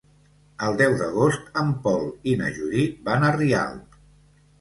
El deu d'agost en Pol i na Judit van a Rialp.